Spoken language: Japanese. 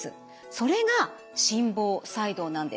それが心房細動なんです。